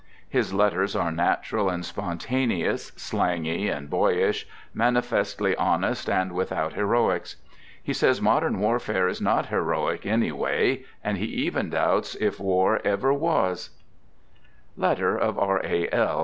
His let ters are natural and spontaneous, slangy and boyish, manifestly honest and without " heroics." He says modern warfare is not heroic, anyway, and he even doubts if war ever was : (Letter of " R. A. L.